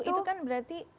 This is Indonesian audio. atau itu kan berarti